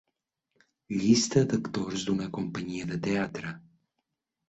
Llista d'actors d'una companyia de teatre.